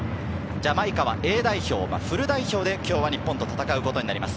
ジャマイカはＡ代表、フル代表で今日は日本と戦うことになります。